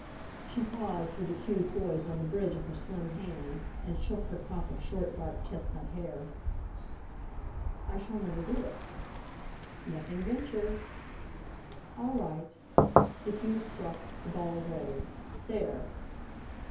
She paused with the cue poised on the bridge of her slim hand, and shook her crop of short dark chestnut hair. "I shall never do it." "'Nothing venture.'" "All right." The cue struck, the ball rolled. "There!"